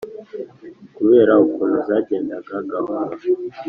Kubera ukuntu zagendaga gahoro